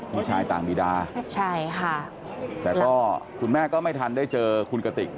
มีชายต่างบีดาใช่ค่ะแต่ก็คุณแม่ก็ไม่ทันได้เจอคุณกติก